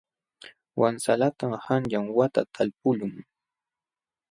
Wansalatam qanyan wata talpuqlun.